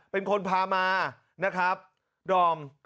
เป็นคนพามานะครับดอม